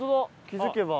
気付けば。